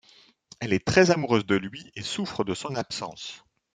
Elle est très amoureuse de lui et souffre de son absence.